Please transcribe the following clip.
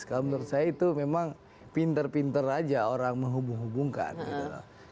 kalau menurut saya itu memang pinter pinter aja orang menghubung hubungkan gitu loh